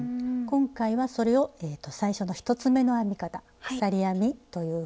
今回はそれを最初の１つ目の編み方鎖編みという方法で作っていきます。